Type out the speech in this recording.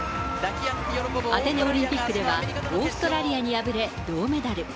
アテネオリンピックでは、オーストラリアに敗れ、銅メダル。